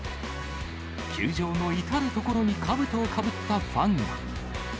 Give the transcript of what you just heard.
球場の至る所にかぶとをかぶったファンが。